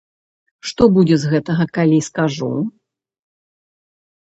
Што будзе з гэтага, калі скажу?